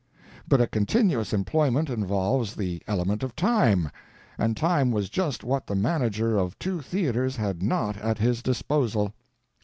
But a continuous employment involves the element of time, and time was just what the manager of two theaters had not at his disposal.